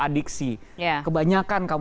adiksi kebanyakan kamu